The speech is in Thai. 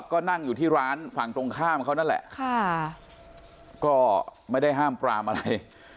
ก็นั่งอยู่ที่ร้านฝั่งตรงข้ามเขานั่นแหละค่ะก็ไม่ได้ห้ามปรามอะไร